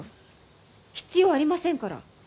必要ありませんから。